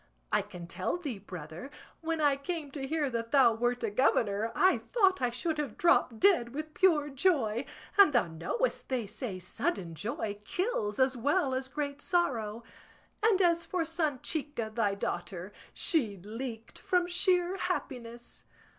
I can tell thee, brother, when I came to hear that thou wert a governor I thought I should have dropped dead with pure joy; and thou knowest they say sudden joy kills as well as great sorrow; and as for Sanchica thy daughter, she leaked from sheer happiness.